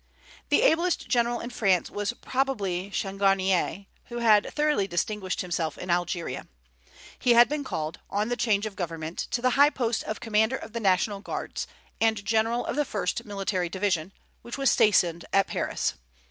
The ablest general in France was probably Changarnier, who had greatly distinguished himself in Algeria. He had been called, on the change of government, to the high post of commander of the National Guards and general of the first military division, which was stationed at Paris.